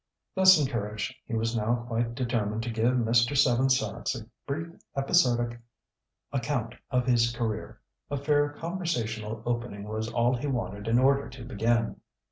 Thus encouraged, he was now quite determined to give Mr. Seven Sachs a brief episodic account of his career. A fair conversational opening was all he wanted in order to begin.